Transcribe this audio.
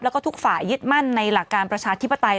แล้วก็ทุกฝ่ายยึดมั่นในหลักการประชาธิปไตย